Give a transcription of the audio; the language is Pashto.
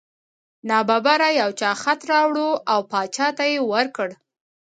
نا ببره یو چا خط راوړ او باچا ته یې ورکړ.